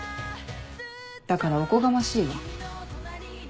だからおこがましいわ。